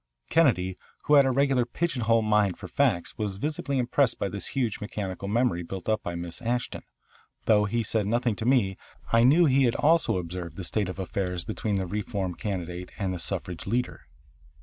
Kennedy, who had a regular pigeon hole mind for facts, was visibly impressed by this huge mechanical memory built up by Miss Ashton. Though he said nothing to me I knew he had also observed the state of affairs between the reform candidate and the suffrage leader.